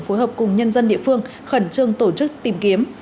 phối hợp cùng nhân dân địa phương khẩn trương tổ chức tìm kiếm